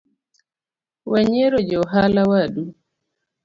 Wenyiero johala wadu